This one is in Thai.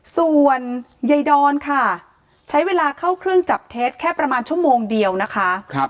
ส่วนยายดอนค่ะใช้เวลาเข้าเครื่องจับเท็จแค่ประมาณชั่วโมงเดียวนะคะ